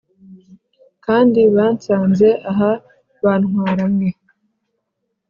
kandi bansanze aha bantwara mwe